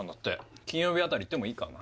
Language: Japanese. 金曜日あたり行ってもいいかな？